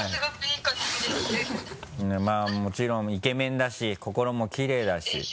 もちろんイケメンだし心もきれいだし。